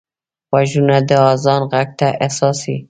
غوږونه د اذان غږ ته حساس وي